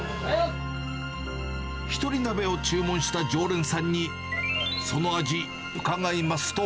ひとり鍋を注文した常連さんに、その味、伺いますと。